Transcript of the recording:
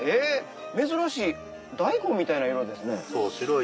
珍しい大根みたいな色ですね。